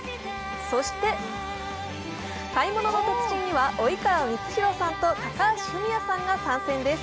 そして、「買い物の達人」には、及川光博さんと高橋文哉さんが参戦です。